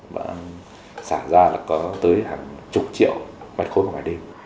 và xả ra là có tới hàng chục triệu mạch khối